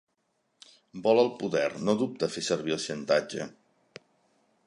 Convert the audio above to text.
Vol el poder, no dubta a fer servir el xantatge.